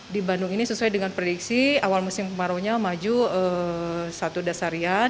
di bandung ini sesuai dengan prediksi awal musim kemarau nya maju satu dasarian